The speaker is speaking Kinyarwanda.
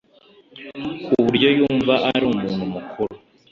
kuburyo yumva ari umuntu mukuru